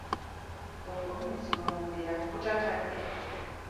Okulumizibwa mu ndira okutatadde.